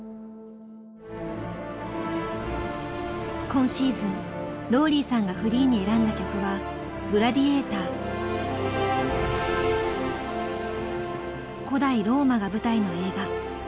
今シーズンローリーさんがフリーに選んだ曲は古代ローマが舞台の映画。